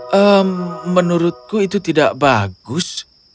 hmm menurutku itu tidak bagus